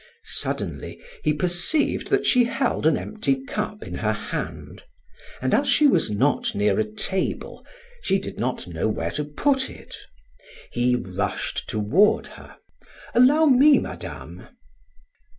Suddenly he perceived that she held an empty cup in her hand, and as she was not near a table, she did not know where to put it. He rushed toward her: "Allow me, Madame."